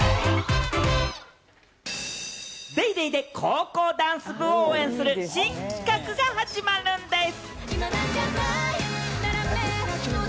『ＤａｙＤａｙ．』で高校ダンス部を応援する新企画が始まるんです。